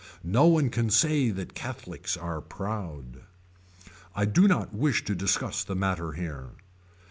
No one can say that Catholics are proud. I do not wish to discuss the matter here.